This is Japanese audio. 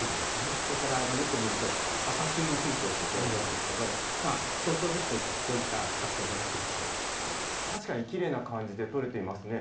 それからよく見ると、朝露もついていると思うんですけど、早朝で確かにきれいな感じで撮れていますね。